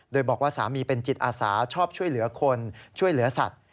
โดยบอกว่าสามีเป็นจิตอาสาชอบช่วยเหลือคนช่วยเหลือสัตว์